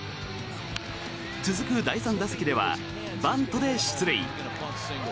続く第３打席ではバントで出塁。